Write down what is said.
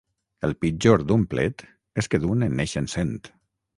El pitjor d'un plet és que d'un en neixen cent.